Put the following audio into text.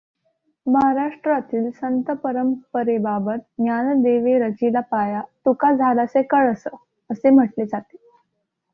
महाराष्ट्रातील संतपरंपरेबाबत ज्ञानदेवे रचिला पाया, तुका झालासे कळस असे म्हटले जाते.